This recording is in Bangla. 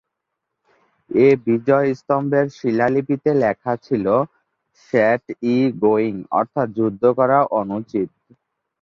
এ বিজয়স্তম্ভের শিলালিপিতে লেখা ছিল ‘সেট-ত-গোইং’ অর্থাৎ যুদ্ধ করা অনুচিত।